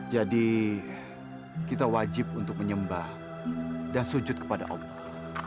jadi kita wajib untuk menyembah dan sujud kepada allah